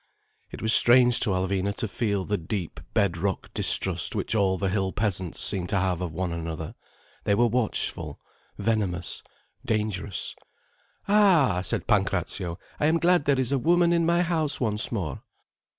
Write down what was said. It was strange to Alvina to feel the deep bed rock distrust which all the hill peasants seemed to have of one another. They were watchful, venomous, dangerous. "Ah," said Pancrazio, "I am glad there is a woman in my house once more."